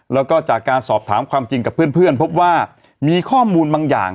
แล้วก็จากการสอบถามความจริงกับเพื่อนพบว่ามีข้อมูลบางอย่าง